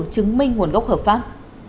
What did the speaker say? chứng minh nguồn gốc hợp pháp